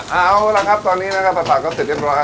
เอาละครับตอนนี้นะครับผัดปากก็เสร็จเรียบร้อยนะครับผม